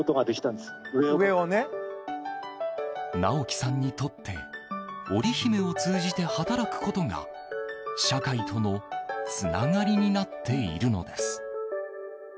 尚樹さんにとってオリヒメを通じて働くことが社会とのつながりになっているのです。